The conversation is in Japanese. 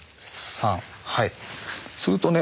するとね。